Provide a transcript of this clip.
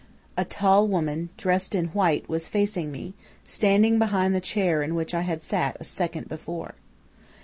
"A tall woman, dressed in white, was facing me, standing behind the chair in which I had sat a second before.